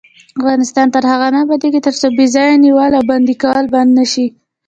افغانستان تر هغو نه ابادیږي، ترڅو بې ځایه نیول او بندي کول بند نشي.